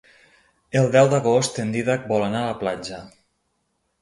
El deu d'agost en Dídac vol anar a la platja.